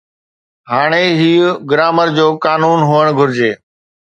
ھاڻي ھيءَ گرامر جو قانون ھئڻ گھرجي